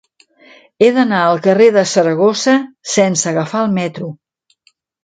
He d'anar al carrer de Saragossa sense agafar el metro.